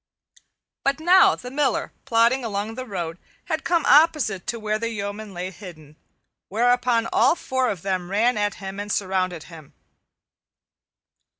But now the Miller, plodding along the road, had come opposite to where the yeomen lay hidden, whereupon all four of them ran at him and surrounded him.